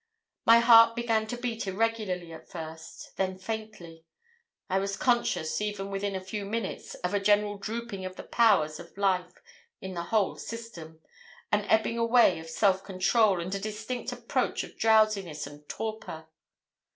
My heart began to beat irregularly at first, then faintly. I was conscious, even within a few minutes, of a general drooping of the powers of life in the whole system, an ebbing away of self control, and a distinct approach of drowsiness and torpor.